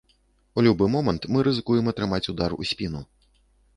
У любы момант мы рызыкуем атрымаць удар у спіну.